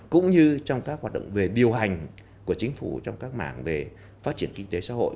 cũng như trong các hoạt động về điều hành của chính phủ trong các mảng về phát triển kinh tế xã hội